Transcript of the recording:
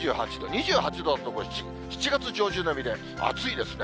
２８度だともう７月上旬並みで暑いですね。